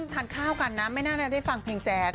ตอนเขานั่งทานข้าวกันนะไม่น่าได้ฟังเพลงแจ๊ก